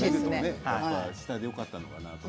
下でよかったのかなと。